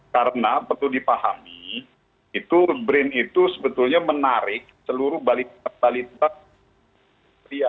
karena perlu dipahami itu sebetulnya menarik seluruh balita balita kementerian